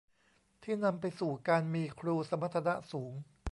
ที่นำไปสู่การมีครูสมรรถนะสูง